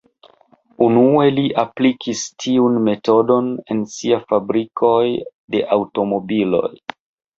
Unue li aplikis tiun metodon en sia fabrikoj de aŭtomobiloj.